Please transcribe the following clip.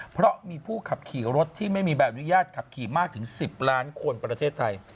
เพราะมีผู้ขับขี่รถที่ไม่มีใบอนุญาตขับขี่มากถึง๑๐ล้านคนประเทศไทย